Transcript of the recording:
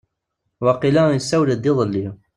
Waqila iswael-d ielli.